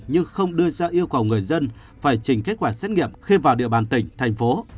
nhưng không đưa ra yêu cầu người dân phải chỉnh kết quả xét nghiệm khi vào địa bàn tỉnh thành phố